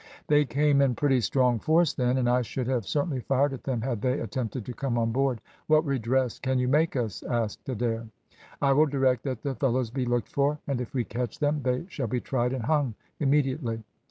"They came in pretty strong force then, and I should have certainly fired at them had they attempted to come on board. What redress can you make us?" asked Adair. "I will direct that the fellows be looked for, and if we catch them they shall be tried and hung immediately."